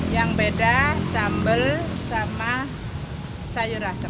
yang beda sambal sama sayur asem